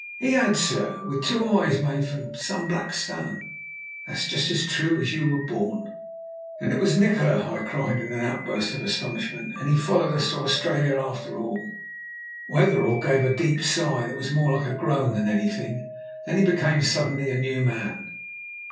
"He had, sir, with two eyes made of some black stone. That's just as true as you're born." "Then it was Nikola," I cried in an outburst of astonishment, "and he followed us to Australia after all!" Wetherell gave a deep sigh that was more like a groan than anything; then he became suddenly a new man.